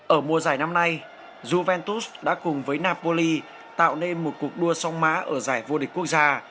ở mùa giải năm nay juventus đã cùng với napoli tạo nên một cuộc đua song mã ở giải vô địch quốc gia